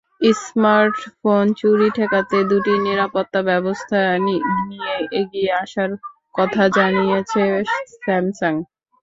Smartphone চুরি ঠেকাতে দুটি নিরাপত্তা ব্যবস্থা নিয়ে এগিয়ে আসার কথা জানিয়েছে স্যামসাং।